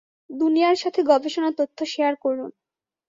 দুনিয়ার সাথে গবেষণা তথ্য শেয়ার করুন।